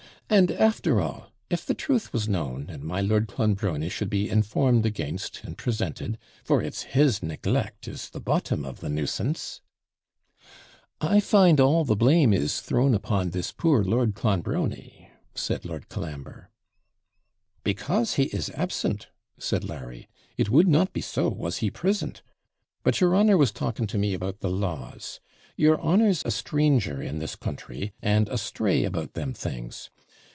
And, after all, if the truth was known, and my Lord Clonbrony should be informed against, and presented, for it's his neglect is the bottom of the nuisance ' 'I find all the blame is thrown upon this poor Lord Clonbrony,' said Lord Colambre. 'Becaase he is absent,' said Larry. 'It would not be so was he PRISINT. But your honour was talking to me about the laws. Your honour's a stranger in this country, and astray about them things.